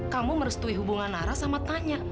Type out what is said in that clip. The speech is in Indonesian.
kamu merestui hubungan nara sama tanya